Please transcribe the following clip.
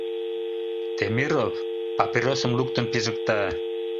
Темиров папиросым луктын пижыкта.